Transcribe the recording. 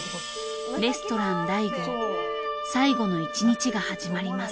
レストラン醍醐最後の１日が始まります。